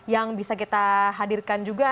yang bisa kita hadirkan juga